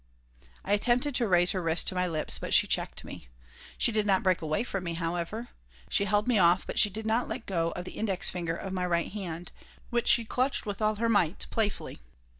I attempted to raise her wrist to my lips, but she checked me. She did not break away from me, however. She held me off, but she did not let go of the index finger of my right hand, which she clutched with all her might, playfully.